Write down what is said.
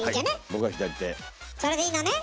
それでいいのね？